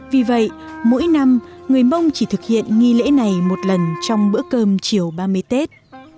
vì vậy mỗi năm người mông chỉ thực hiện nghi lễ này một lần trong bữa cơm chiều ba mươi tết